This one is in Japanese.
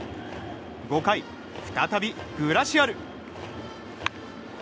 ５回、再びグラシアル。